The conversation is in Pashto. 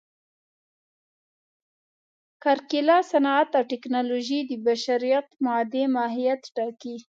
کرکېله، صنعت او ټکنالوژي د بشریت مادي ماهیت ټاکي.